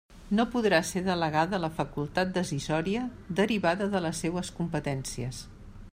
No podrà ser delegada la facultat decisòria derivada de les seues competències.